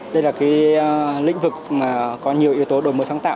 đây là cái lĩnh vực mà có nhiều yếu tố đổi mới sáng tạo